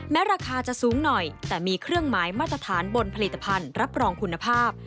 ราคาจะสูงหน่อยแต่มีเครื่องหมายมาตรฐานบนผลิตภัณฑ์รับรองคุณภาพ